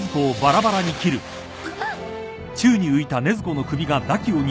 あっ。